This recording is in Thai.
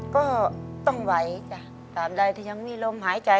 ก็ต้องไหวตามด้ายถ้ายังมีโรงหายใจ